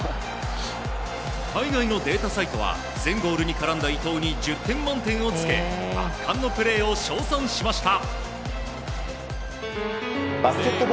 海外のデータサイトは全ゴールに絡んだ伊東に１０点満点をつけ圧巻のプレーを称賛しました。